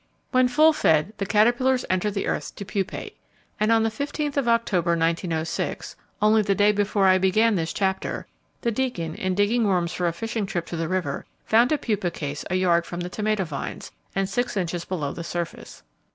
When full fed the caterpillars enter the earth to pupate, and on the fifteenth of October, 1906, only the day before I began this chapter, the Deacon, in digging worms for a fishing trip to the river, found a pupa case a yard from the tomato vines, and six inches below the surface.